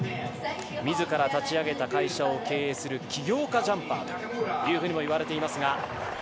みずから立ち上げた会社を経営する企業家ジャンパーともいわれます。